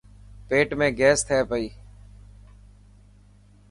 پيٽ ۾ گيس ٿي پئي.